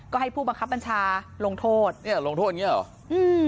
ก็ให้ผู้บังคับบัญชาลงโทษเนี่ยลงโทษอย่างเงี้เหรออืม